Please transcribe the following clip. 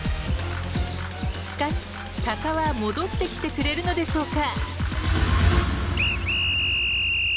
しかし鷹は戻ってきてくれるのでしょうか？